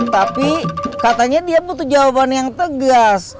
tapi katanya dia butuh jawaban yang tegas